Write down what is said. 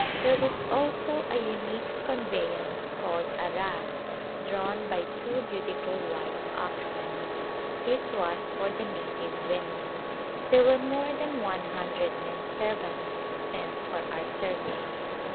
There was also a unique conveyance called a rath drawn by two beautiful white oxen ; this was for the native women. There were more than one hundred men servants sent for our service.